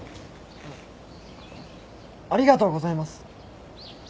ありがとうございます。